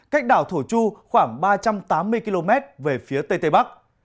cách đảo thổ chu khoảng ba trăm tám mươi km về phía tây tây bắc